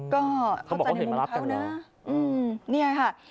ก็เขาใจในมุมนะ